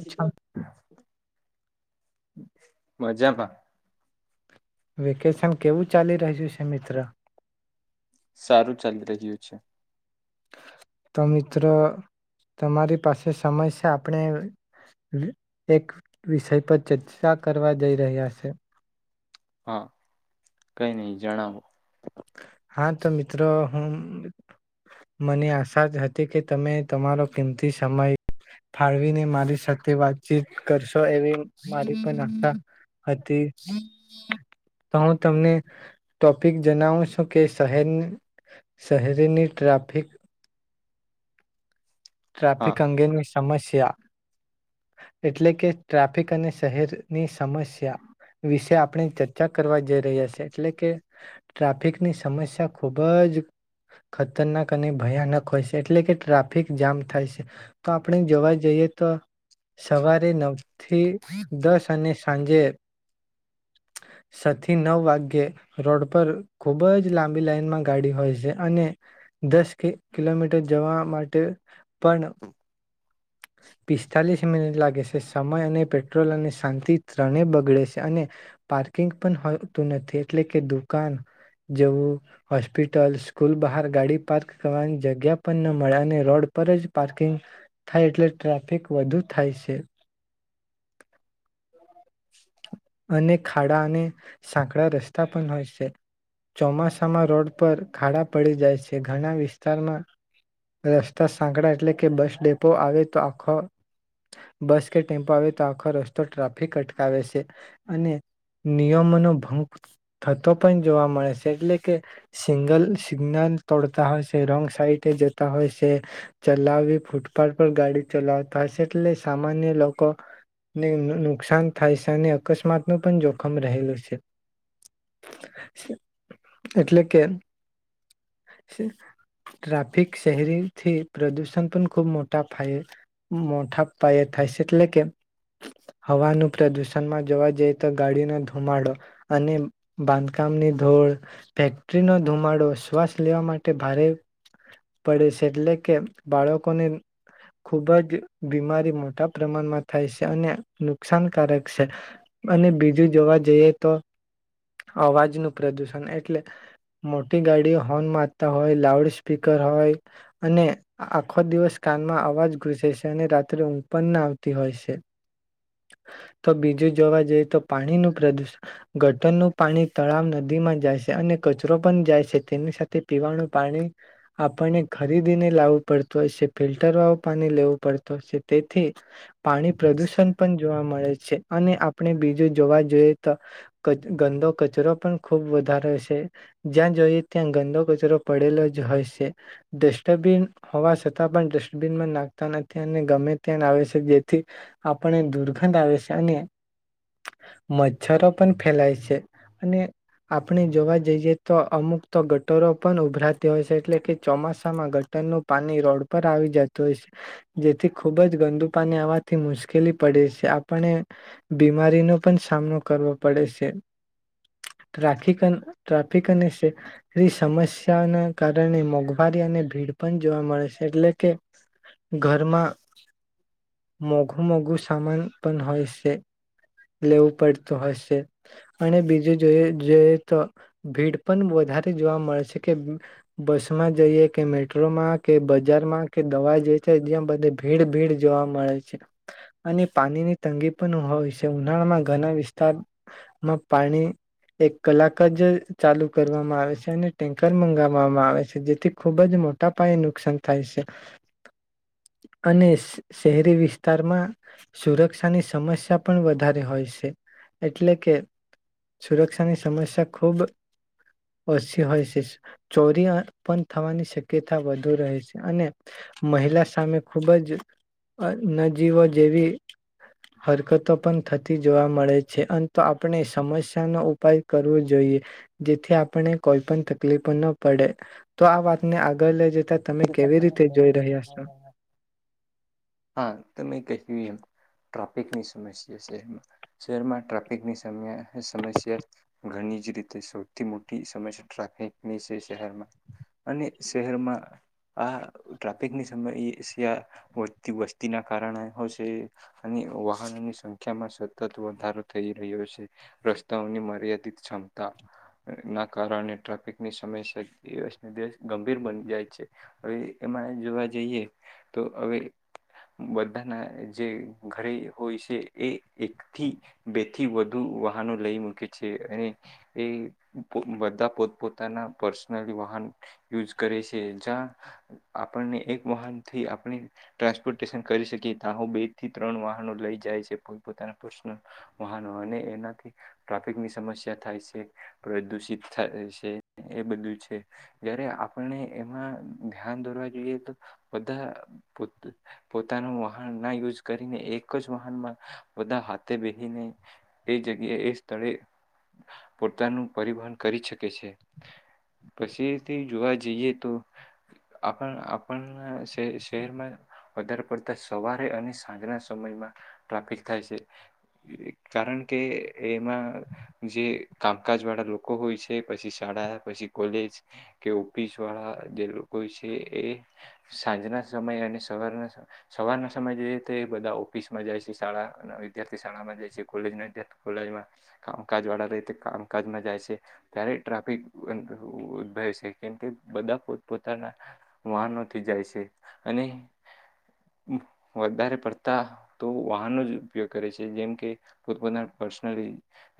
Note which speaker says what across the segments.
Speaker 1: શ [unintelligible] મજા મા.
Speaker 2: વેકેશન કેવું ચાલી રહ્યું છે મિત્ર.
Speaker 1: સારું ચાલી રહ્યું છે.
Speaker 2: તો મિત્રો તમારી પાસે સમય છે આપણે એક વિષય પર ચર્ચા કરવા જઈ રહ્યા છે.
Speaker 1: હા કઈ નહી જણાવ
Speaker 2: હા તો મિત્રો હું મને આશા જ હતી કે તમે તમારો કિમતી સમય ફાળવીને મારી સાથે વાતચીત કરશો એવી મારી પણ આશા હતી જ તો હું તમને ટોપિક જણાવું. શ કે શહેર શહેરીની ટ્રાફિક
Speaker 1: હા
Speaker 2: ટ્રાફિક અંગેની સમસ્યા એટલે કે ટ્રાફિક અને શહેરની સમસ્યા વિશે આપણે ચર્ચા કરવા જઈ રહ્યા છે એટલે કે ટ્રાફિકની સમસ્યા ખુબ જ ખતરનાક અને ભયાનક હોય છે એટલે કે ટ્રાફિક જામ થાય છે તો આપણે જોવા જઈએ તો સવારે નવ થી દસ અને સાંજે છ થી નવ વાગે રોડ પર ખુબ જ લાંબી લાઈનમાં ગાડી હોય છે અને દસ કિલોમીટર જવા માટે પણ પિસ્તાલીસ મિનિટ લાગે સે સમય અને પેટ્રોલ અને શાંતિ ત્રણે બગડે છે અને પાર્કિંગ પણ હોતું નથી એટલે કે દુકાન જવું હોસ્પિટલ સ્કૂલ બહાર ગાડી પાર્ક કરવાની જગ્યા પણ ન મળે અને રોડ પર જ પાર્કિંગ થાય એટલે ટ્રાફિક વધુ થાય છે.
Speaker 1: [inaudible]
Speaker 2: અને ખાડા અને સાકડા રસ્તા પણ હોય છે ચોમાસામાં રોડ પર ખાડા પડી જાય છે ઘણા વિસ્તારમાં રસ્તા સાંકડા એટલે કે બસ ડેમ્પો આવે તો આખો બસ કે ટેમ્પો આવે તો આખો રસ્તો ટ્રાફિક અટકાવે સે. અને નિયમોનો ભંગ થતો પણ જોવા મળે છે એટલે કે સિંગલ સિગ્નલ તોડતા હોય છે રોંગ સાઈડ જતા હોય સે ચલાવી ફૂટપાથ પર ગાડી ચલાવતા હસે એટલે સામાન્ય લોકોને નુકસાન થાય છે અને અકસ્માત નું પણ જોખમ રહેલું સે એટલે કે ટ્રાફિક શહેરીથી પ્રદુષણ પણ ખુબ મોટા પાયે મોટા પાયે થાય છે એટલે કે હવાનું પ્રદુષણમાં જોવા જઈ તો ગાડીનો ધુમાડો અને બાંધકામની ધોડ ફેક્ટરીનો ધુમાડો સ્વ લેવા માટે ભારે પડે છે એટલે કે બાળકોને ખુબ જ બીમારી મોટા પ્રમાણમાં થાય છે અને નુકસાનકારક છે અને બીજું જોવા જઈએ તો અવાજનું પ્રદુષણ એટલે મોટી ગાડીઓ હોર્ન મારતા હોય લાઉડ સ્પીકર હોય અને આખો દિવસ કાનમાં અવાજ ઘુસે છે અને રાત્રે ઊંઘ પણ ના આવતી હોય સે તો બીજું જોવા જઈએ તો પાણીનું પ્રદુષણ ગટરનું પાણી તળાવ નદીમાં જાય શી અને કચરો પણ જાય સે. તેની સાથે પીવાનું પાણી આપણને ખરીદીને લાવવું પડતું હસે ફિલ્ટર વાળું પાણી લેવું પડતું હયશે તેથી પાણી પ્રદુષણ પણ જોવા મળે છે. અને આપણે બીજું જોવા જોઈએ તો ગંદો કચરો પણ ખૂબ વધારે છે જ્યાં જોઈએ ત્યાં ગંદો કચરો પડેલો જ હોય છે ડસ્ટબિન હોવા છતાં પણ ડસ્ટબિનમાં નાખતા નથી અને ગમે ત્યાં આવે છે જેથી આપણે દુર્ગંધ આવે છે અને મચ્છરો પણ ફેલાય છે અને આપણે જોવા જઈએ તો અમુક તો ગટરો પણ ઉભરાતી હોય છે એટલે કે ચોમાસામાં ગટરનું પાણી રોડ પર આવી જતું હોય છે જેથી ખુબ જ ગંદુ પાણી આવવાથી મુશ્કેલી પડે છે આપણે બીમારીનો પણ સામનો કરવો પડે છે [unintelligible] ટ્રાફિક અને સમસ્યાના કારણે મોંઘવારી અને ભીડ પણ જોવા મળે છે એટલે કે ઘરમાં મોઘું મોઘું સામાન પણ હોયસ લેવું પડતું હશે અને બીજું જો જોઈ તો ભીડ પણ વધારે જોવા મળે કે બસમાં જઈએ કે મેટ્રોમાં કે બજારમાં કે દવા જે છે જ્યાં બધ ભીડ ભીડ જોવા મળે છે અને પાણીની તંગી પણ હોય છે ઉનાળામાં ઘણા વિસ્તારમાં પાણી એક કલાક જ ચાલુ કરવામાં આવે છે. ટેન્કર મંગાવવામાં આવે છે જેથી ખૂબ જ મોટા પાયે નુકસાન થાય છે અને શહેરી વિસ્તારમાં સુરક્ષાની સમસ્યા પણ વધારે હોય સે એટલે કે સુરક્ષાની સમસ્યા ખૂબ ઓછી હોય છે ચોરી પણ થવાની શક્યતા વધુ રહે છે અને મહિલા સામે ખૂબ જ નજીવો જેવી હરકતો પણ થતી જોવા મળે છે અ તો આપણે સમસ્યાનો ઉપાય કરવો જોઈએ જેથી આપણે કોઈ પણ તકલીફ ન પડે તો આ વાતને આગળ લે જ
Speaker 1: તહા તમે [unintelligible] ટ્રાફિકની સમસ્યા સે શહેરમાં શહેરમાં ટ્રાફિકની સમ સમસ્યા ઘણી જ રીતે સૌથી મોટી સમસ્યા ટ્રાફિકની છે શહેરમાં અને શહેરમાં આ ટ્રાફિકની સમસ્યા વધતી વસ્તીના કારણે હશે અને વાહનોની સંખ્યામાં સતત વધારો થઈ રહ્યો છે રસ્તાઓની મર્યાદિત ક્ષમતા ના કારણે ટ્રાફિકની સમસ્યા દિવસ ને દિવસ ગંભીર બની જાય છે. હવે એમાં જોવા જઈએ તો હવે બધાના જે ઘરે હોય છે એ એકથી બે થી વધુ વાહનો લઈ મૂકે છે અને તે પોત બધા પોત પોતાના પર્સનલી વાહન યુઝ કરે છે. જ્યાં આપણને એક વાહનથી આપણે ટ્રાન્સપોર્ટેશન કરી શકીએ ત્યાં હું બે થી ત્રણ વાહનો લઈ જાય છે. પોત પોતાના પર્સનલ વાહનો અને એનાથી ટ્રાફિકની સમસ્યા થાય સે, પ્રદૂષિત થાય સે, એ બધું છે. જ્યારે આપણને એમાં ધ્યાન દોરવા જોઈએ તો બધા પોત પોતાનું વાહન ના યુઝ કરીને એક જ વાહનમાં બધા હાથે બેહિને એ જગ્યાએ એ સ્થળે પોતાનું પરિવહન કરી શકે છે. પછીથી જોવા જઈએ તો આપણ આપણના શે શેહેરમાં વધારે પડતા સવારે અને સાંજના સમયમાં ટ્રાફિક થાય છે, કારણ કે એમાં જે કામકાજ વાળા લોકો હોય છે, પછી શાળા, પછી કોલેજ કે ઓફિસ વાળા જે લોકો છે એ સાંજના સમયે અને સવારના સવારના સમયે જે તે બધા ઓફિસમાં જાય છે, શાળા ના વિદ્યાર્થી શાળામાં જાય છે, કોલેજ ના વિદ્યાર્થી કોલેજમાં, કામકાજ વાળા રેય તે કામકાજમાં જાય છે. ત્યારે ટ્રાફિક [unintelligible] ઉદભવે છે કેમ કે બધા પોતા પોતાના વાહનોથી જાય છે અને વધારે પડતા તો વાહનો જ ઉપયોગ કરે છે, જેમકે પોત પોતાના પર્સનલી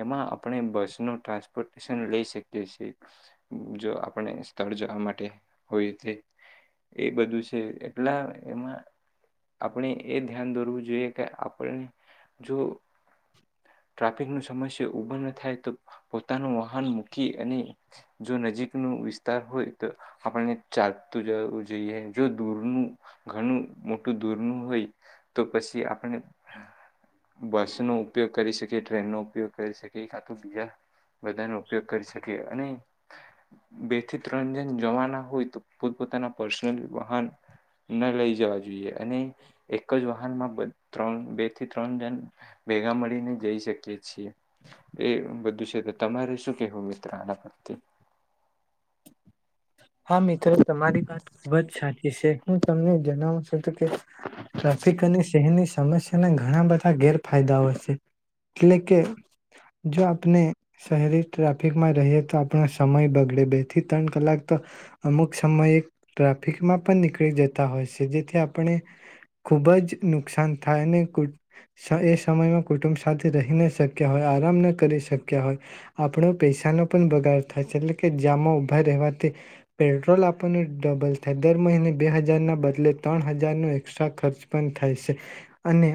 Speaker 1: એમાં આપણે બસ નો ટ્રાન્સપોર્ટેશન લઈ શકીએ છીએ, જો આપણે સ્થળ જવા માટે હોય તે એ બધું છે એટલા એમાં આપણે એ ધ્યાન દોરવું જોઈએ કે આપણે જો ટ્રાફિક નો સમસ્યા ઉભા ન થાય તો પોતાનું વાહન મૂકી અને જો નજીક નું વિસ્તાર હોય તો આપણને ચાલતું જવું જોઈએ, જો દૂરનું ઘણું મોટું દૂરનું હોય તો પછી આપ ણને બસ નો ઉપયોગ કરી શક જે ટ્રેન નો ઉપયોગ કરી શકે કાતો બીજા બધા નો ઉપયોગ કરી શકે. અને બે થી ત્રણ જણ જવાનો હોય તો પોત પોતાના પર્સનલ વાહન ન લઈ જવા જોઈએ અને એક જ વાહનમાં બ ત્રણ બે થી ત્રણ જણ ભેગા મળીને જઈ શકીએ છીએ, એ બધું છે. તો તમારે શું કેવું મિત્ર આના પ્રત્યે?
Speaker 2: હા મિત્ર તમારી વાત ખૂબ જ સાચી સે. હું તમને જનાવું છું કે ટ્રાફિક અને શહેરની સમસ્યાના ઘણા બધા ગેરફાયદાઓ સે, એટલે કે જો આપને શહેરી ટ્રાફિકમાં રહીએ તો આપણો સમય બગડે બે થી ત્રન કલાક તો અમુક સમયે ટ્રાફિકમાં પણ નીકળી જતા હોય સે. [unintelligible] આપણને ખુબ જ નુકસાન થાય ને એ સમય કુટુંબ સાથે રહી ન શક્યા હોય, આરામ ન કરી શક્યા હોય આપણો પૈસાનો પણ બગાડ થાય છે એટલે કે જામમાં ઊભા રહેવા પેટ્રોલ આપણને ડબલ થાય. દર મહિને બે હજાર ના બદલે ત્રણ હજારનો એક્સ્ટ્રા ખર્ચ પણ થાય સે અને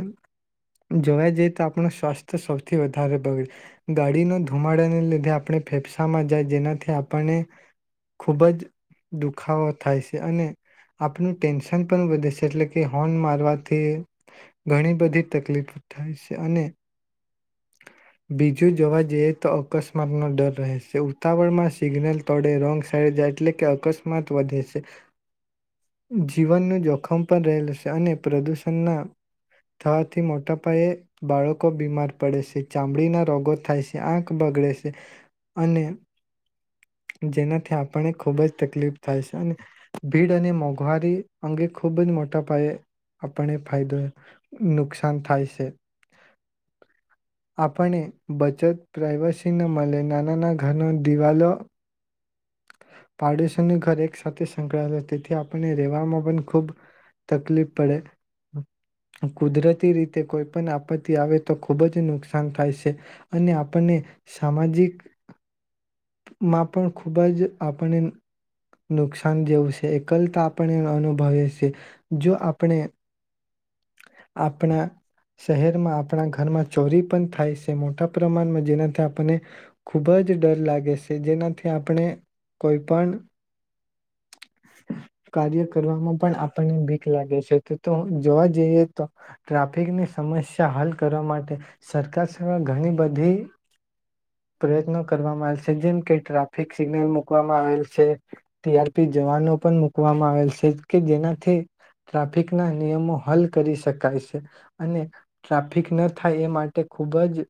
Speaker 2: જોવા જઈ તો આપણું સ્વાસ્થ્ય સૌથી વધારે બગડે, ગાડીનો ધુમાડાને લીધે આપણે ફેફસામાં જાય જેનાથી આપણને ખુબ જ દુખાવો થાય સે અને આપનું ટેન્શન પણ વધે છે એટલે કે હોર્ન મારવાથી ઘણી બધી તકલીફ થાય સે અને બીજું જોવા જઈએ તો અકસ્માતનો ડર રહેશે ઉતાવળમાં સિગ્નલ તોડે રોંગ એટલે કે અકસ્માત વધે સે જીવનનું જોખમ પણ રહેલું સે અને પ્રદૂષણના થવાથી મોટા પાયે બાળકો બીમાર પડે સે, ચામડીના રોગો થાય સે, આંખ બગડે સે અને જેના થી આપને ખૂબ જ તકલીફ થાય સે અને ભીડ અને મોંઘવારી અંગે ખૂબ જ મોટા પાયે આપડે ફાયદો નુકસાન થાય સે. આપણે બચત પ્રાઈવસી ન મળે નાનાના ઘરનો દિવાલો પાડોશીનું ઘર એક સાથે સંકળાયેલો તેથી આપણને રહેેવામાં પણ ખૂબ તકલીફ પડે. કુદરતી રીતે કોઈ પણ આપત્તિ આવે તો ખુબ જ નુકસાન થાય સે અને આપણને સામાજિક માં પણ ખૂબ જ આપણને નુકસાન જેવું સે એકલતા આપણને અનુભવી સે. જો આપણે આપણા શહેરમાં આપણા ઘરમાં ચોરી પણ થાય સે મોટા પ્રમાણમાં જેનાથી આપણને ખૂબ જ ડર લાગે સે જેના થી આપણે કોઈ પણ કાર્ય કરવામાં પણ આપણને બિખ લાગે સે. તો જોવા જઈએ તો ટ્રાફિકની સમસ્યા હલ કરવા માટે સરકારશ્રી એ ઘણી બધી પ્રયત્નો કરવામાં આવે સે જેમકે ટ્રા ફિક સિગ્નલ મૂકવામાં આવેલ સે, ટીઆરપી જવાનો પણ મુૂકવામાં આવેલ સે કે જેનાથી ટ્રાફિક ના નિયમો હલ કરી શકાય સે અને ટ્રાફિક ન થાય એ માટે ખૂબ જ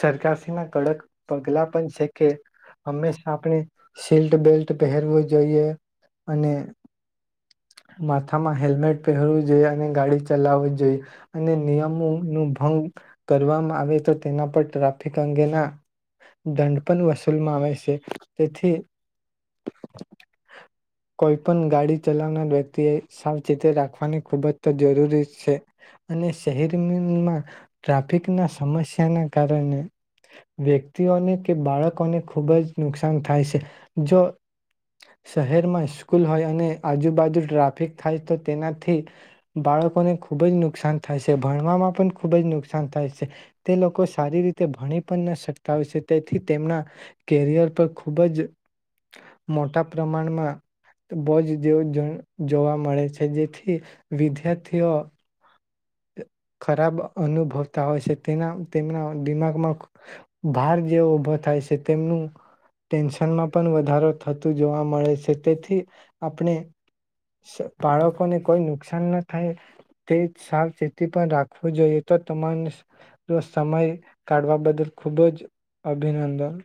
Speaker 2: સરકારશ્રીના કડક પગલા પણ સે. હંમેશા આપણે સી્ટ બેલ્ટ પહેરવું જોઈએ અને માથામાં હેલ્મેટ પહેરવું જોઈએ અને ગાડી ચલાવી જોઈએ અને નિયમો નું ભંગ કરવામાં આવે તો તેના પર ટ્રાફિક અંગેના દંડ પણ વસૂલમાં આવે સે. તેથી કોઈ પણ ગાડી ચલાવનાર વ્યક્તિ એ સાવચીતી રાખવાની ખૂબ જ જરૂરી છે અને શહેરમાં ટ્રાફિકના સમસ્યાના કારણે વ્યક્તિઓને કે બાળકોને ખૂબ જ નુકસાન થાય સે. જો શહેરમાં સ્કૂલ હોય અને આજુબાજુ ટ્રાફિક થાય તો તેનાથી બાળકોને ખૂબ જ નુકસાન થાય સે, ભણવામાં પણ ખૂબ જ નુકસાન થાય સે તે લોકો સારી રીતે ભણી પણ ન શકતા હોય સે તેથી તેમના કેરિયર પર ખૂબ જ મોટા પ્રમાણમાં બોજ જેવું જો જોવા મળે છે જેથી વિદ્યાર્થીઓ ખરાબ અનુભવતા હોય છે. તેના તેમના દિમાગમાં ભાર જેવો ઉભો થાય સે, તેમનું ટેન્શનમાં પણ વધારો થતું જોવા મળે સે તેથી આપણે સ બાળકોને કોઈ નુકસાન ન થાય તે સાવચેતી પણ રાખવું જોઈએ. તો તમારે સમય કાઢવા બદલ ખુબ જ અભિનંદન.